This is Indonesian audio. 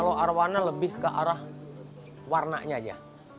warna lebih ke arah warnanya saja